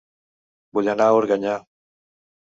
Vull anar a Organyà